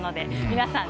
皆さん